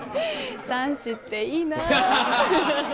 男子っていいなぁ。